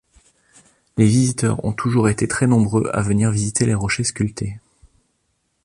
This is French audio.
Les visiteurs ont toujours été très nombreux à venir visiter les rochers sculptés.